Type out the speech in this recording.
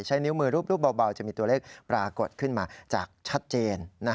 ใช้นิ้วมือรูปเบาจะมีตัวเลขปรากฏขึ้นมาจากชัดเจน